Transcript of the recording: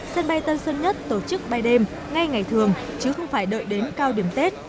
sân bay tân sơn nhất tổ chức bay đêm ngay ngày thường chứ không phải đợi đến cao điểm tết